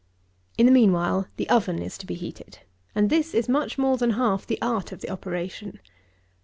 104. In the mean while the oven is to be heated; and this is much more than half the art of the operation.